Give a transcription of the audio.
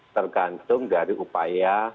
tergantung dari upaya